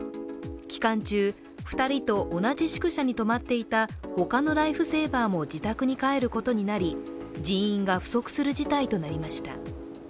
期間中、２人と同じ宿舎に泊まっていた他のライフセーバーも自宅に帰ることになり人員が不足する事態となりました。